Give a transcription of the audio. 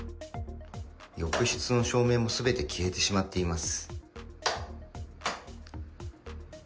浴室の照明もすべて消えてしまっています。